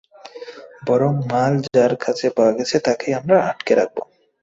বরং মাল যার কাছে পাওয়া গেছে তাকেই আমরা আটকে রাখব।